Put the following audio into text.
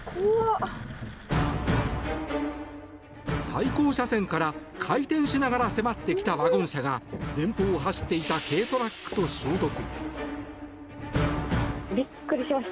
対向車線から回転しながら迫ってきたワゴン車が前方を走っていた軽トラックと衝突。